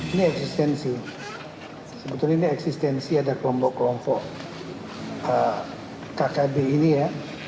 ini eksistensi sebetulnya ini eksistensi ada kelompok kelompok kkb ini ya